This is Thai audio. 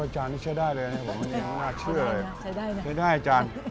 ใช่ได้นะใช่ได้อาจารย์